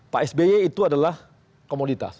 pak sby itu adalah komoditas